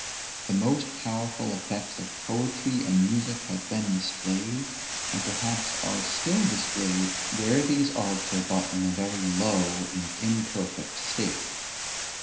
The most powerful effects of poetry and music have been displayed, and perhaps are still displayed, where these arts are but in a very low and imperfect state.